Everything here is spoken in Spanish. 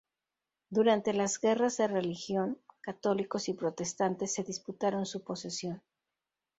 Durante las guerras de religión, católicos y protestantes se disputaron su posesión.